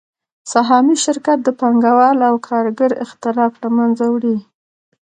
سهامي شرکت د پانګوال او کارګر اختلاف له منځه وړي